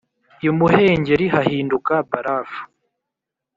imuhengeri hahinduka barafu